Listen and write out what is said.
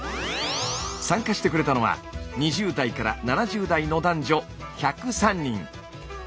参加してくれたのは２０代から７０代の男女１０３人。